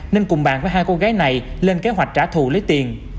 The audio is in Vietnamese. nên cùng bạn với hai cô gái này lên kế hoạch trả thù lấy tiền